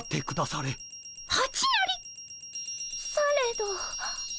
されど。